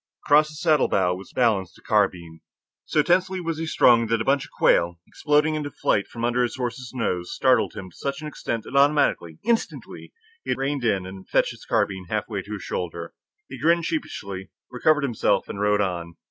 Across his saddle bow was balanced a carbine. So tensely was he strung, that a bunch of quail, exploding into flight from under his horse's nose, startled him to such an extent that automatically, instantly, he had reined in and fetched the carbine halfway to his shoulder. He grinned sheepishly, recovered himself, and rode on.